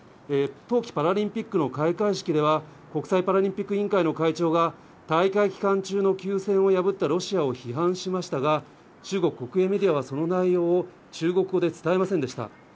冬季パラリンピックの開会式では、国際パラリンピック委員会の会長が、大会期間中の休戦を破ったロシアを批判しましたが、中国国営メディアは、その内容を中国語で伝えませんでした。